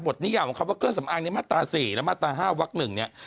นิยามของคำว่าเครื่องสำอางในมาตรา๔และมาตรา๕วัก๑เนี่ย